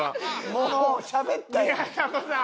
もうしゃべったやん。